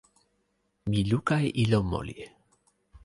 mi luka e ilo moli.